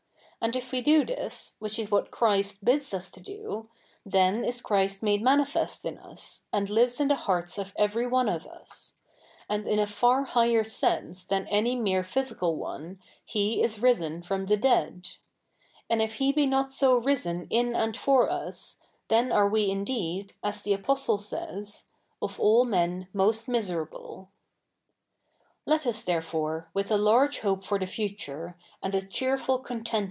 A7id if we do this, ivhich is what Christ bids us to do, then is Christ made 77ianifest in us, a7id lives in the hearts of every one of us ; and in a far higher sense tha7i any mere physical o)ie, He is 7 ise7i fro7n the dead. And if He be 7iot so risen in and for us, the7i are we i7ideed, as the Apostle savs. " of all 7ne}i most 77iiserable.^'* CH. i] THE NEW REPUBLIC 87 ^ Let us therefore^ with a large hope for the future^ and a cheerful co?itent??